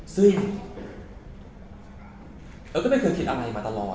ซึ่งเราก็ไม่เคยคิดอะไรมาตลอด